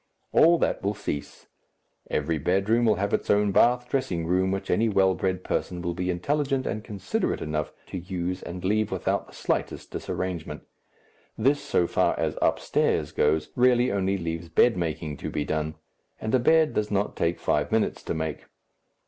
All that will cease. Every bedroom will have its own bath dressing room which any well bred person will be intelligent and considerate enough to use and leave without the slightest disarrangement. This, so far as "upstairs" goes, really only leaves bedmaking to be done, and a bed does not take five minutes to make.